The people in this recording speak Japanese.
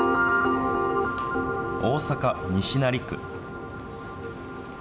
大阪・西成区。